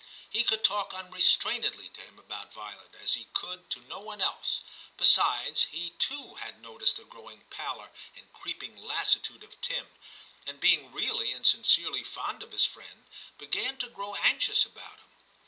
He could talk unrestrainedly to him about Violet, as he could to no one else ; besides, he too had noticed the growing pallor and creeping lassitude of Tim, and being really and sincerely fond of his friend, began to grow anxious about him.